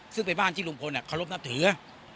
ซึ่งเป็นบ้านที่ลุงพลเคารพนับถือ